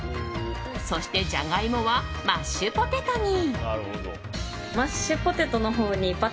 そしてジャガイモはマッシュポテトに。